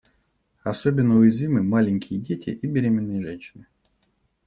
Особенно уязвимы маленькие дети и беременные женщины.